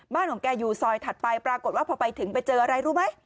ของแกอยู่ซอยถัดไปปรากฏว่าพอไปถึงไปเจออะไรรู้ไหม